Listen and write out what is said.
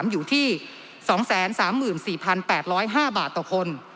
อยู่ที่๒๓๔๘๐๕บาทต่อคน